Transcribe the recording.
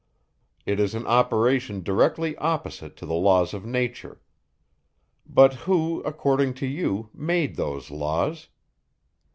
It is an operation directly opposite to the laws of nature. But who, according to you, made those laws?